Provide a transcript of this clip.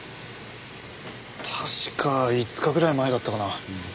確か５日ぐらい前だったかな。